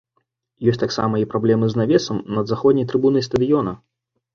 Ёсць таксама і праблемы з навесам над заходняй трыбунай стадыёна.